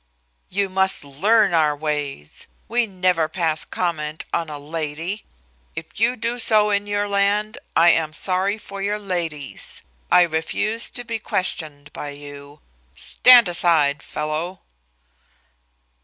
"You must learn our ways. We never pass comment on a lady. If you do so in your land, I am sorry for your ladies. I refuse to be questioned by you. Stand aside, fellow!"